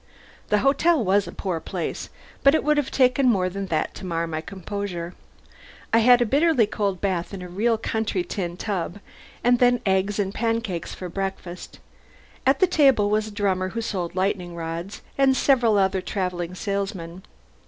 The hotel was a poor place, but it would have taken more than that to mar my composure. I had a bitterly cold bath in a real country tin tub, and then eggs and pancakes for breakfast. At the table was a drummer who sold lightning rods, and several other travelling salesmen.